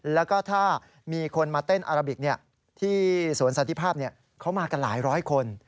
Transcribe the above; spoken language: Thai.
แล้วก็ถ้ามีคนมาเต้นอาราบิกที่สวนสันติภาพเขามากันหลายร้อยคน